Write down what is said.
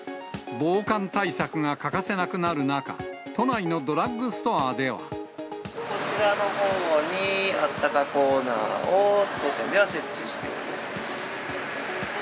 防寒対策が欠かせなくなる中、こちらのほうに、あったかコーナーを、当店では設置しています。